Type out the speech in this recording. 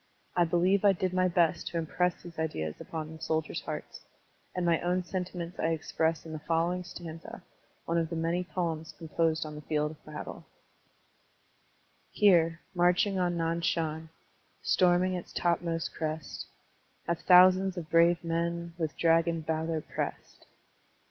I believe I did my best to impress these ideas upon the soldiers' hearts; and my own sentiments I express in the following stanza, one of the many poems composed on the field of battle : Here, marching on Nan Shan, Storming its topmost crest, Have thousands of brave men With dragon valor pressed.